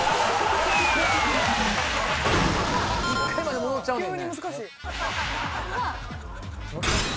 １階まで戻っちゃうねんね。